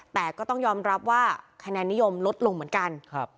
แต่ก็ต้องยอมรับว่าคะแนนนิยมลดลงเหมือนกัน